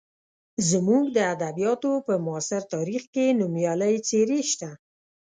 زموږ د ادبیاتو په معاصر تاریخ کې نومیالۍ څېرې شته.